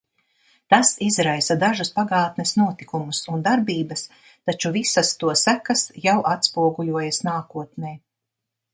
Tas izraisa dažus pagātnes notikumus un darbības, taču visas to sekas jau atspoguļojas nākotnē.